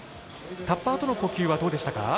タッパーとの呼吸はどうでしたか？